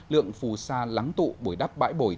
lượng phù sa lắng tụ bồi đắp bãi bồi